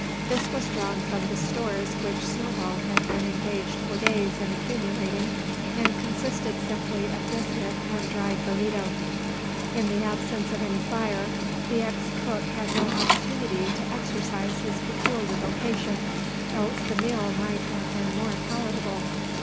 This was drawn from the stores which Snowball had been engaged for days in accumulating, and consisted simply of biscuit and dried "bonito." In the absence of any fire, the ex cook had no opportunity to exercise his peculiar vocation, else the meal might have been more palatable.